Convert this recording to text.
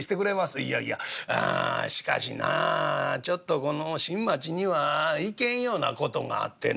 「いやいやあしかしなちょっとこの新町には行けんような事があってな」。